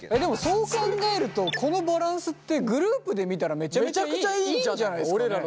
そう考えるとこのバランスってグループで見たらめちゃくちゃいいんじゃないですかね。